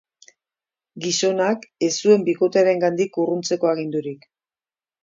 Gizonak ez zuen bikotearengandik urruntzeko agindurik.